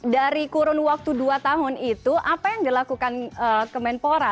dari kurun waktu dua tahun itu apa yang dilakukan kemenpora